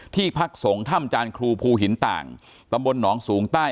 ที่พักสงฆ์ถ้ำจานครูภูหินต่างตำบลหนองสูงใต้